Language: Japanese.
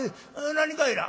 「何かいな？」。